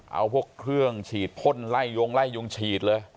เอาพวกเครื่องฉีดพ่นไล่ยงไล่ยุงฉีดเลย